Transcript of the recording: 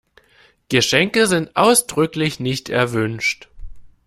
Geschenke sind ausdrücklich nicht erwünscht.